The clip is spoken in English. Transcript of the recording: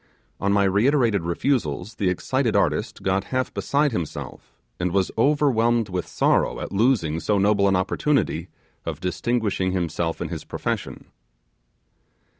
On my reiterated refusals the excited artist got half beside himself, and was overwhelmed with sorrow at losing so noble an opportunity of distinguishing himself in his profession.